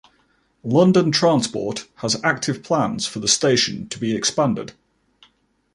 London Transport has active plans for the station to be expanded.